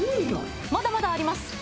まだまだあります。